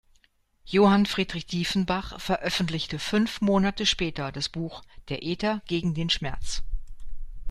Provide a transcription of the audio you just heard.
Johann Friedrich Dieffenbach veröffentlichte fünf Monate später das Buch "Der Aether gegen den Schmerz".